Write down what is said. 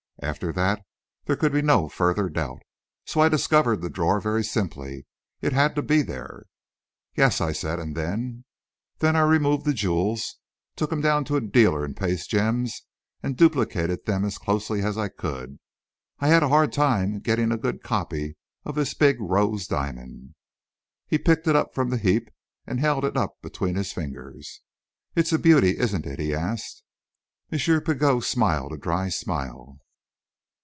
After that, there could be no further doubt. So I discovered the drawer very simply. It had to be there." "Yes," I said; "and then?" "Then I removed the jewels, took them down to a dealer in paste gems and duplicated them as closely as I could. I had a hard time getting a good copy of this big rose diamond." He picked it from the heap and held it up between his fingers. "It's a beauty, isn't it?" he asked. M. Pigot smiled a dry smile.